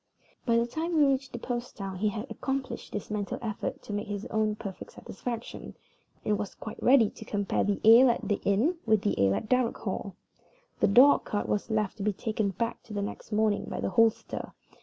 By the time we reached the post town he had accomplished this mental effort to his own perfect satisfaction, and was quite ready to compare the ale at the inn with the ale at Darrock Hall. The dog cart was left to be taken back the next morning by the hostler.